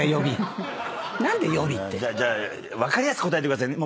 分かりやすく答えてくださいね。